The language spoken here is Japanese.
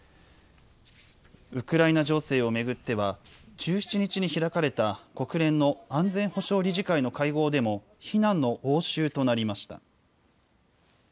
ウクライナ情勢を巡っては、１７日に開かれた国連の安全保障理事会の会合でも、非難の応酬となりました。